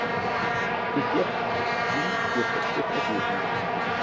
Bis jetzt ist dies ihr bestes Ergebnis.